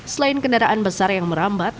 selain kendaraan besar yang merambat